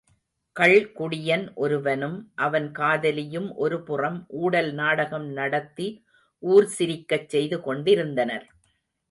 கள்குடியன் ஒருவனும் அவன் காதலியும் ஒருபுறம் ஊடல் நாடகம் நடத்தி ஊர் சிரிக்கச் செய்து கொண்டிருந்தனர்.